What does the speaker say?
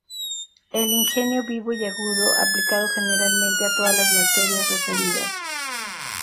El ingenio vivo y agudo, aplicado generalmente a todas las materias referidas.